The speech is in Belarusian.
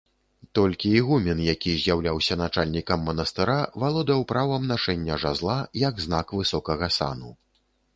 Толькі ігумен, які з'яўляўся начальнікам манастыра, валодаў правам нашэння жазла, як знак высокага сану.